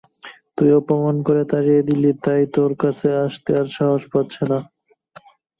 তুই অপমান করে তাড়িয়ে দিলি, তাই তোর কাছে আসতে আর সাহস পাচ্ছে না।